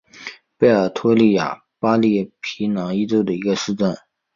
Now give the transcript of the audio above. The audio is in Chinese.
贝尔托利尼亚是巴西皮奥伊州的一个市镇。